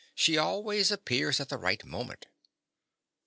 She always appears at the right moment.